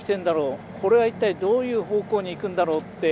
これは一体どういう方向に行くんだろうって。